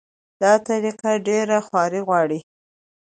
دا طریقه ډېره خواري غواړي.